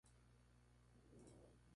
Es la segunda parte sobre esta heroína.